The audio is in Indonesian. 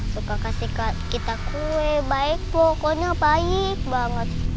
suka kasih kita kue baik pokoknya baik banget